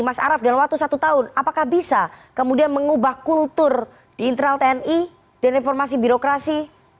mas araf dalam waktu satu tahun apakah bisa kemudian mengubah kultur di internal tni dan reformasi birokrasi